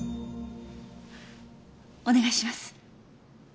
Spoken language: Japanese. お願いします。